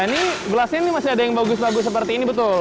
ini gelasnya ini masih ada yang bagus bagus seperti ini betul